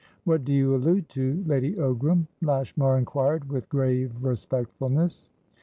"What do you allude to, Lady Ogram?" Lashmar inquired with grave respectfulness.